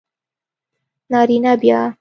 نارینه بیا